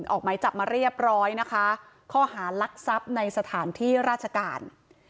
ออกไหมจับมาเรียบร้อยนะคะข้อหารักทรัพย์ในสถานที่ราชการ